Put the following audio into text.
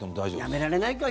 やめられないか。